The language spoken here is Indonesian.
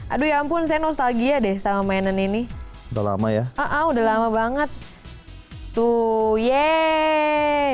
aduh ya ampun saya nostalgia deh sama mainan ini udah lama ya ah udah lama banget tuh yeay